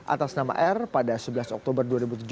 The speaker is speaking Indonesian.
atas nama r pada sebelas oktober dua ribu tujuh belas